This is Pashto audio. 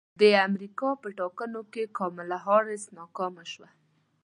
د امریکا په ټاکنو کې کاملا حارس ناکامه شوه